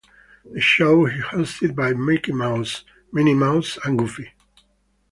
The show is hosted by Mickey Mouse, Minnie Mouse and Goofy.